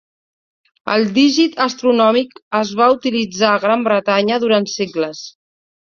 El dígit astronòmic es va utilitzar a Gran Bretanya durant segles.